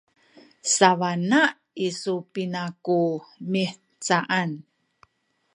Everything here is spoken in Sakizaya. sabana isu pina ku mihcaan?